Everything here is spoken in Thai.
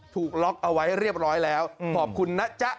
ถูกล็อกเอาไว้เรียบร้อยแล้วขอบคุณนะจ๊ะ